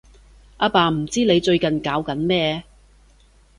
阿爸唔知你最近搞緊咩